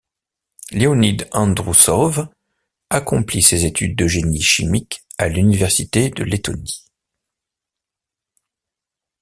Leonid Androussov accomplit ses études de génie chimique à l'Université de Lettonie.